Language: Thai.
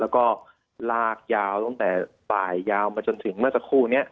แล้วก็ลากยาวตั้งแต่บ่ายยาวมาจนถึงเมื่อสักครู่นี้